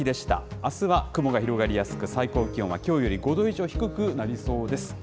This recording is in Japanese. あすは雲が広がりやすく、最高気温はきょうより５度以上低くなりそうです。